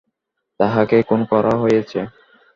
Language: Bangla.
তাকে খুন করা হয়েছে?